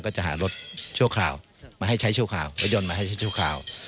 ก็จะหารถชั่วคราวมาให้ใช้ชั่วคราว